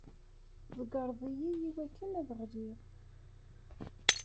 Tḍeyyreḍ-iyi iwakken ad ɣliɣ.